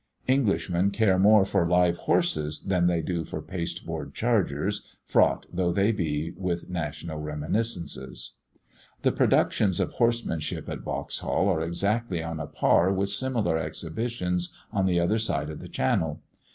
Englishmen care more for live horses than they do for pasteboard chargers, fraught though they be with national reminiscences. The productions of horsemanship at Vauxhall are exactly on a par with similar exhibitions on the other side of the Channel.